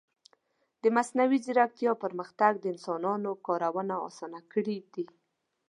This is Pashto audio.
د مصنوعي ځیرکتیا پرمختګ د انسانانو کارونه آسانه کړي دي.